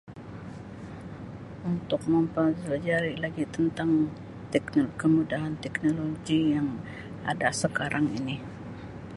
Untuk mempelajari lagi tentang tekno kemudahan teknologi yang ada sekarang ini.